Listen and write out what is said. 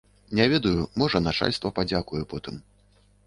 Не ведаю, можа начальства падзякуе потым.